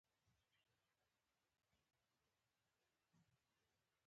ځواب: